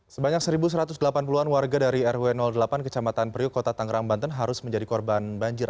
sebanyak satu satu ratus delapan puluh an warga dari rw delapan kecamatan priuk kota tangerang banten harus menjadi korban banjir